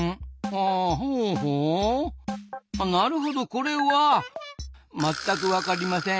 あなるほどこれはまったくわかりません。